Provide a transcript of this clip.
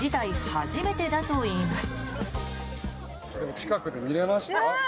初めてだといいます。